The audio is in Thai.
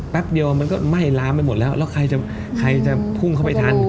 เดียวมันก็ไหม้ล้ามไปหมดแล้วแล้วใครจะพุ่งเข้าไปทัน